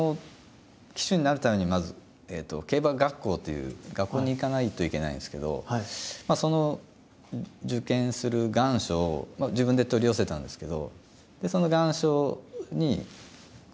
騎手になるためにまず競馬学校という学校に行かないといけないんですけどその受験する願書を自分で取り寄せたんですけど。